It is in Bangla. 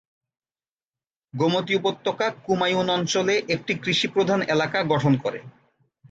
গোমতী উপত্যকা কুমায়ুন অঞ্চলে একটি কৃষি প্রধান এলাকা গঠন করে।